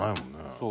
そう。